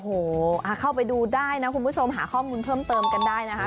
โอ้โหเข้าไปดูได้นะคุณผู้ชมหาข้อมูลเพิ่มเติมกันได้นะคะ